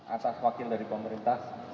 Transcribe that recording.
atas wakil dari pemerintah